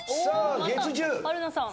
また春菜さん。